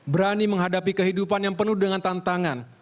berani menghadapi kehidupan yang penuh dengan tantangan